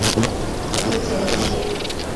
步曾槭